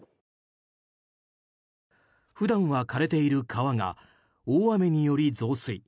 普段は枯れている川が大雨により増水。